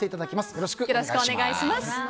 よろしくお願いします。